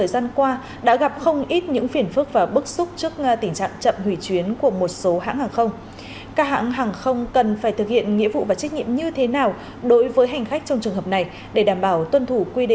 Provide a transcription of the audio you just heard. sau đây sẽ tiếp tục là những phân tích từ vị khách mời